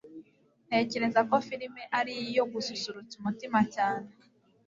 Ntekereza ko firime ari iyo gususurutsa umutima cyane.